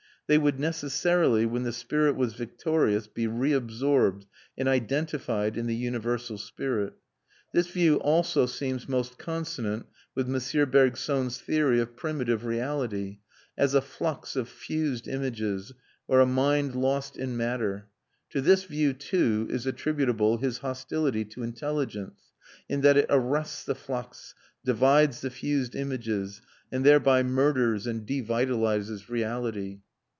They would necessarily, when the spirit was victorious, be reabsorbed and identified in the universal spirit. This view also seems most consonant with M. Bergson's theory of primitive reality, as a flux of fused images, or a mind lost in matter; to this view, too, is attributable his hostility to intelligence, in that it arrests the flux, divides the fused images, and thereby murders and devitalises reality.